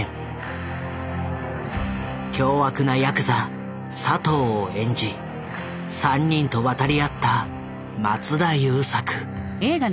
凶悪なやくざ佐藤を演じ３人と渡り合った松田優作。